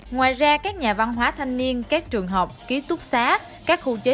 ngoài ra các nhà văn hóa thanh niên các trường học ký túc xá